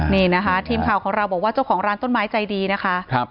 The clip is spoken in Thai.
นี่นะคะทีมข่าวของเราบอกว่าเจ้าของร้านต้นไม้ใจดีนะคะ